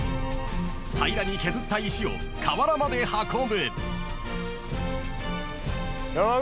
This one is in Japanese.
［平らに削った石を河原まで運ぶ］